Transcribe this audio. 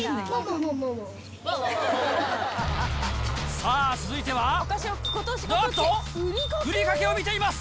さあ、続いては、なんと、ふりかけを見ています。